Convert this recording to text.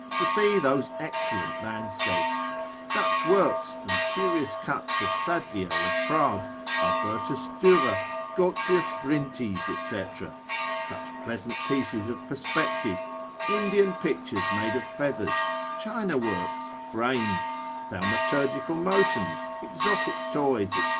to see those excellent landscapes, Dutch works, and curious cuts of Sadlier of Prague, Albertus Durer, Goltzius Vrintes, &c., such pleasant pieces of perspective, Indian pictures made of feathers, China works, frames, thaumaturgical motions, exotic toys, &c.